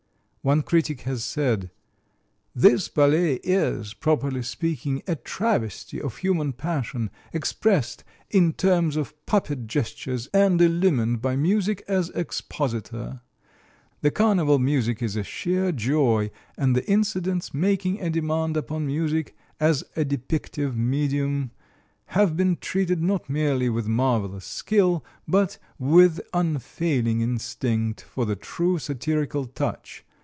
One critic has said: "This ballet is, properly speaking, a travesty of human passion, expressed in terms of puppet gestures and illumined by music as expositor. The carnival music is a sheer joy, and the incidents making a demand upon music as a depictive medium have been treated not merely with marvelous skill, but with unfailing instinct for the true satirical touch.